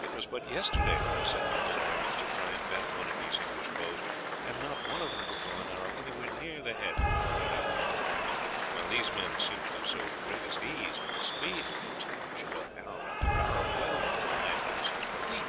It was but yesterday that I set my men at arms to try and bend one of these English bows, and not one of them could draw an arrow anywhere near the head with all their efforts; while these men seem to do so with the greatest ease, and the speed with which they can shoot off arrow after arrow well nigh passes belief.